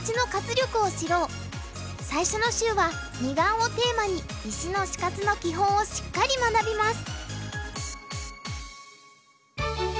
最初の週は二眼をテーマに石の死活の基本をしっかり学びます。